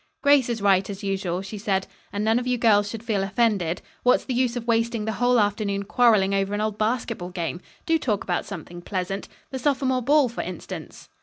"Grace is right as usual," she said, "and none of you girls should feel offended. What's the use of wasting the whole afternoon quarrelling over an old basketball game? Do talk about something pleasant. The sophomore ball for instance.